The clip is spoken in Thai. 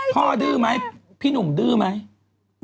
ดื้อไหมพี่หนุ่มดื้อไหม